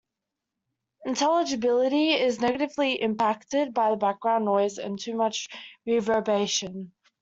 Intelligibility is negatively impacted by background noise and too much reverberation.